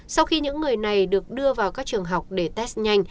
sau khi những người này được đưa vào các trường học để test nhanh